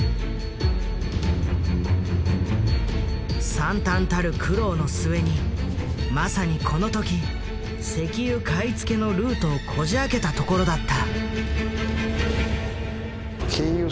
惨憺たる苦労の末にまさにこの時石油買い付けのルートをこじあけたところだった。